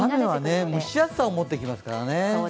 雨はね蒸し暑さをもってきますからね。